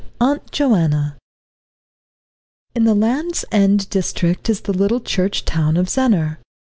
AUNT JOANNA In the Land's End district is the little church town of Zennor.